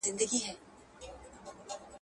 هغه له پاڼو تشه توره ونه.